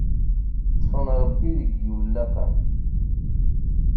Ṭfen Ṛebbi deg yiwellaqen.